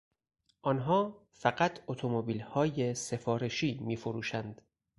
آنها فقط اتومبیلهای سفارشی میفروشند.